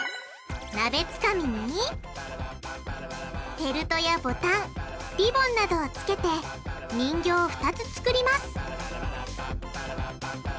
なべつかみにフェルトやボタンリボンなどをつけて人形を２つ作ります！